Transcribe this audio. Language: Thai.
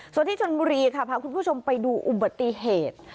ส่วนที่ชนบุรีค่ะพาคุณผู้ชมไปดูอุบัติเหตุ